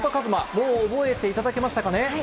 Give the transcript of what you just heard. もう覚えていただけましたかね。